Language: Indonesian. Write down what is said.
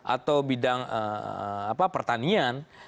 atau bidang pertanian